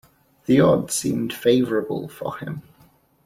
The odds seemed favourable for him.